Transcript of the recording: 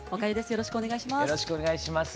よろしくお願いします。